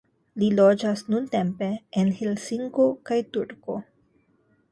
Li loĝas nuntempe en Helsinko kaj Turku.